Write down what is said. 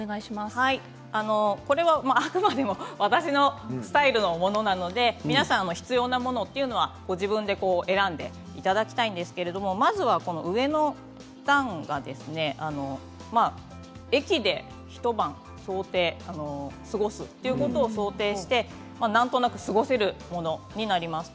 これは、あくまでも私のスタイルのものなので皆さん、必要なものというのはご自分で選んでいただきたいんですけれどもまずは上の段が駅で一晩過ごすことを想定してなんとなく過ごせるものになります。